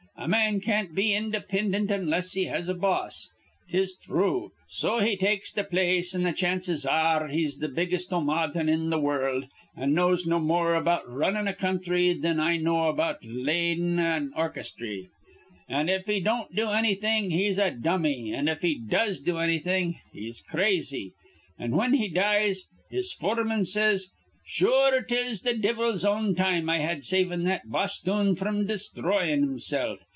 A man can't be indipindint onless he has a boss. 'Tis thrue. So he takes th' place, an' th' chances ar re he's th' biggest omadhon in th' wurruld, an' knows no more about r runnin' a counthry thin I know about ladin' an orchesthry. An', if he don't do annything, he's a dummy, an', if he does do annything, he's crazy; an' whin he dies, his foreman says: 'Sure, 'tis th' divvle's own time I had savin' that bosthoon fr'm desthroyin' himsilf.